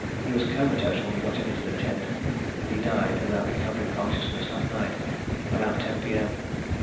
He was comatose when we got him into the tent, and he died without recovering consciousness that night about 10 P.M.